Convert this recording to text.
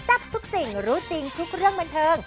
ทับทุกสิ่งรู้จริงทุกเรื่องบันเทิง